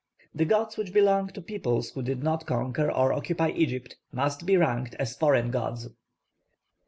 The gods which belonged to peoples who did not conquer or occupy Egypt must be ranked as foreign gods.